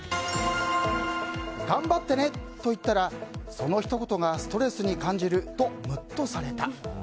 頑張ってねと言ったらそのひと言がストレスに感じるとムッとされた。